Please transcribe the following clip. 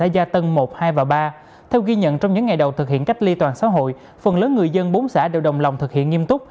rằng trong những ngày đầu thực hiện cách ly toàn xã hội phần lớn người dân bốn xã đều đồng lòng thực hiện nghiêm túc